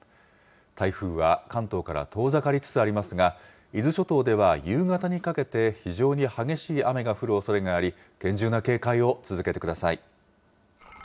台風は関東から遠ざかりつつありますが、伊豆諸島では夕方にかけて非常に激しい雨が降るおそれがあり、厳重な警戒を続けてください。